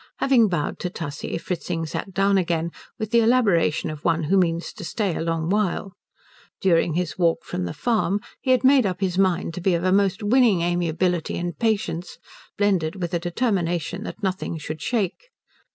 Having bowed to Tussie Fritzing sat down again with the elaboration of one who means to stay a long while. During his walk from the farm he had made up his mind to be of a most winning amiability and patience, blended with a determination that nothing should shake.